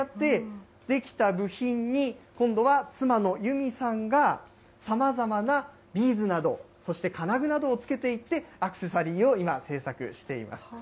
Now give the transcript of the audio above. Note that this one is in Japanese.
こうやって、出来た部品に、今度は妻の由美さんがさまざまなビーズなど、そして金具などをつけていって、アクセサリーを今、制作しています。